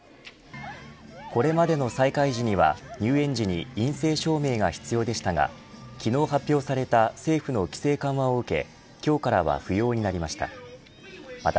これまでの再開時には入園時に陰性証明が必要でしたが昨日発表された政府の規制緩和を受け今日からは不要になりました。